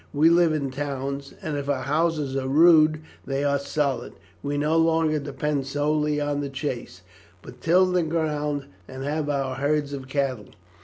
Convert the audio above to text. We live in towns, and if our houses are rude they are solid. We no longer depend solely on the chase, but till the ground and have our herds of cattle.